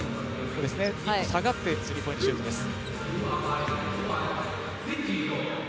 一歩下がって、スリーポイントシュートです。